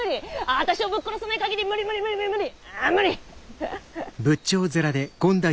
私をぶっ殺さない限り無理無理無理無理無理。